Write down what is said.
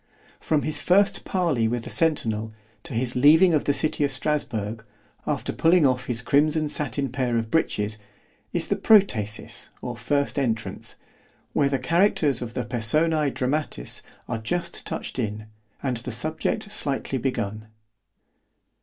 ——From his first parley with the centinel, to his leaving the city of Strasburg, after pulling off his crimson sattin pair of breeches, is the Protasis or first entrance——where the characters of the Personæ Dramatis are just touched in, and the subject slightly begun.